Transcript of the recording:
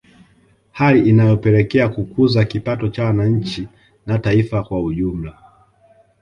Hali inayopelekea kukuza kipato cha wananchi na taifa kwa ujumla